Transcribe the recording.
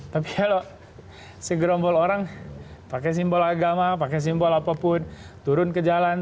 tapi kalau segerombol orang pakai simbol agama pakai simbol apapun turun ke jalan